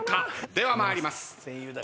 では参ります。